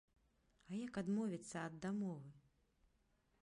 А як адмовіцца ад дамовы?